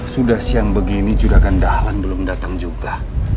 sudah siang begini juga gendahlan belum datang juga